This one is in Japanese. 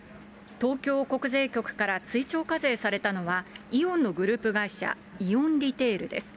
東京国税局から追徴課税されたのは、イオンのグループ会社、イオンリテールです。